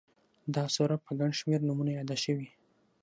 دا سوره په گڼ شمېر نومونو ياده شوې